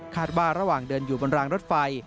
ว่าระหว่างเดินอยู่บนรางรถไฟ